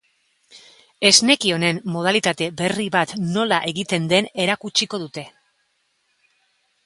Esneki honen modalitate berri bat nola egiten den erakutsiko dute.